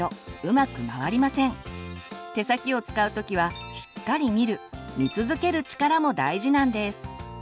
手先を使う時はしっかり見る見続ける力も大事なんです。